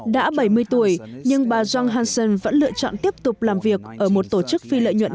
đã bảy mươi tuổi nhưng bà johnson vẫn lựa chọn tiếp tục làm việc ở một tổ chức phi lợi nhuận